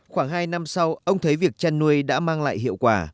khoảng hai năm sau ông thấy việc chăn nuôi đã mang lại hiệu quả